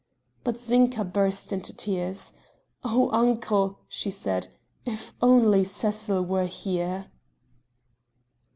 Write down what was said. But Zinka burst into tears : "Oh, uncle," she said, "if only Cecil were here!"